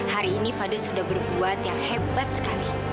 hari ini fadil sudah berbuat yang hebat sekali